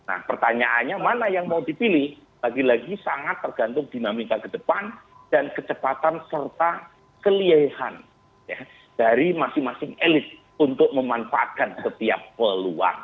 nah pertanyaannya mana yang mau dipilih lagi lagi sangat tergantung dinamika ke depan dan kecepatan serta keliehan dari masing masing elit untuk memanfaatkan setiap peluang